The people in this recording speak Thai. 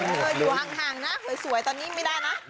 เธออยู่ห่างนะสวยตอนนี้ไม่ได้นะ